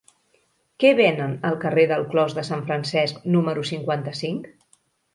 Què venen al carrer del Clos de Sant Francesc número cinquanta-cinc?